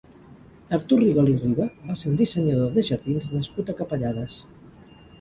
Artur Rigol i Riba va ser un dissenyador de jardins nascut a Capellades.